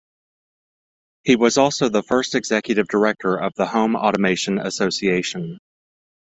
He was also the first executive director of the Home Automation Association.